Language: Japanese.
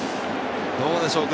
どうでしょう？